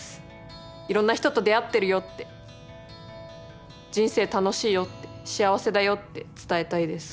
いろんな人と出会ってるよって人生楽しいよって幸せだよって伝えたいです。